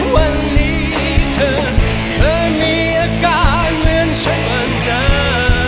วันนี้เธอเคยมีอากาศเหมือนช่วงเดิม